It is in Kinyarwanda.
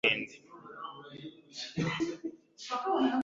Biteganijwe ko ubukonje buzakomeza kugeza muri wikendi.